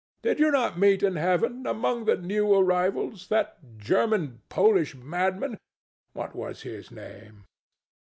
Did you not meet in Heaven, among the new arrivals, that German Polish madman what was his name?